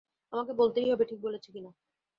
আমাকে বলতেই হবে, ঠিক বলেছি কি না।